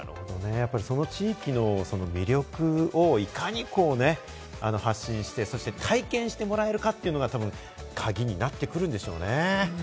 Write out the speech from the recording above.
その地域の魅力をいかに発信して、体験してもらえるかというのが多分カギになってくるんでしょうね。